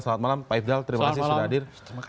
selamat malam pak ifdal terima kasih sudah hadir